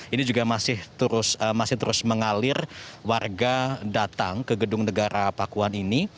ini juga masih terus mengalir warga datang ke gedung negara pakuan ini